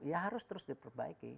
ya harus terus diperbaiki